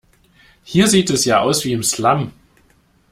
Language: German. Hier sieht es ja aus wie im Slum.